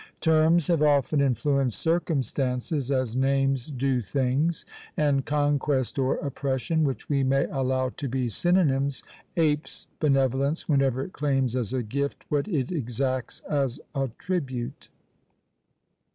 Terms have often influenced circumstances, as names do things; and conquest or oppression, which we may allow to be synonymes, apes benevolence whenever it claims as a gift what it exacts as a tribute.